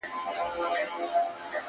o د ژوند دوران ته دي کتلي گراني .